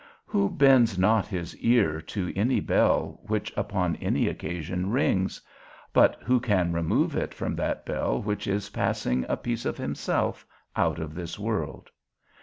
Who bends not his ear to any bell which upon any occasion rings? but who can remove it from that bell which is passing a piece of himself out of this world?